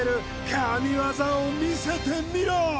神業を見せてみろ！